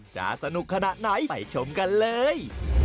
จะสนุกขนาดไหนไปชมกันเลย